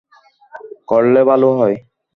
করলে ভালোই হয়।